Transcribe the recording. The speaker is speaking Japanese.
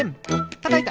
たたいた！